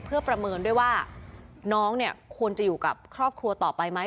เพื่อประเมินด้วยว่าน้องเนี่ยควรจะอยู่กับครอบครัวต่อไปไหม